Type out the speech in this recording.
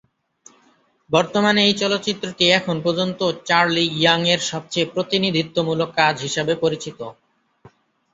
বর্তমানে এই চলচ্চিত্রটি এখন পর্যন্ত চার্লি ইয়াং এর সবচেয়ে প্রতিনিধিত্বমূলক কাজ হিসাবে পরিচিত।